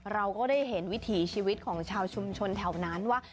เราก็ได้เห็นวิถีชีวิตของชาวชุมชนแถวนั้นว่า